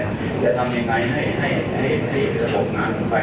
อยากจะทำยังไงให้สระมาด